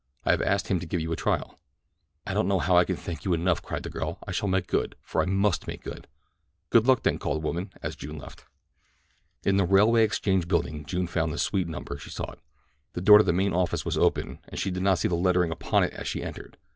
I have asked him to give you a trial." "I don't know how I can thank you enough," cried the girl. "I shall make good, for I must make good." "Good luck, then," called the woman, as June left. In the Railway Exchange Building June found the suite number she sought. The door to the main office was open, and she did not see the lettering upon it as she entered.